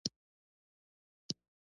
د وېښتیانو وده وخت ته اړتیا لري.